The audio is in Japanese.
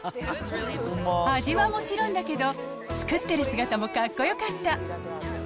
味はもちろんだけど、作ってる姿もかっこよかった。